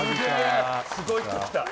すごい人来た。